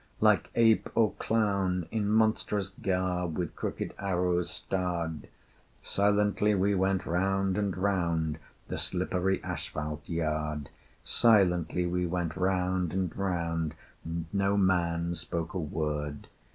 Like ape or clown, in monstrous garb With crooked arrows starred, Silently we went round and round The slippery asphalte yard; Silently we went round and round, And no man spoke a word.